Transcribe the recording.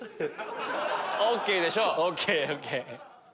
ＯＫでしょう！